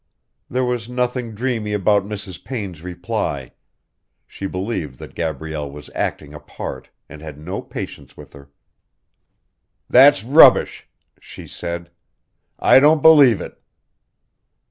There was nothing dreamy about Mrs. Payne's reply. She believed that Gabrielle was acting a part, and had no patience with her. "That's rubbish," she said. "I don't believe it."